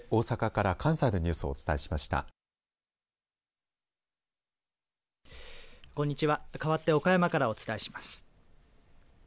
かわって岡山からお伝えします。